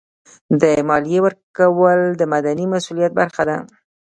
د مالیې ورکول د مدني مسؤلیت برخه ده.